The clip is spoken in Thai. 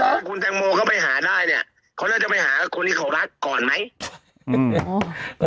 ถ้าคุณแตงโมเข้าไปหาได้เนี่ยเขาน่าจะไปหาคนที่เขารักก่อนไหม